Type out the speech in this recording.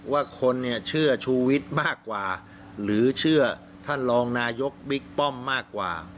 ว่าคนเนี่ยเชื่อชูวิทย์มากกว่าหรือเชื่อท่านรองนายกบิ๊กป้อมมากกว่า